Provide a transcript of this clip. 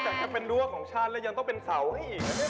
ก็จะเป็นรั่วของฉันและยังต้องเป็นเสาอีก